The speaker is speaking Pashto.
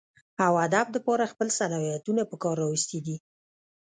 اوادب دپاره خپل صلاحيتونه پکار راوستي دي